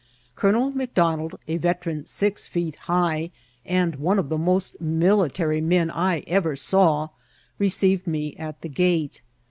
Colonel McDonald, a veteran six feet high, and one of the most military looking men I ever saw, re ceived me at the gate.